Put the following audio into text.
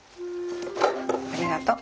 ありがとう。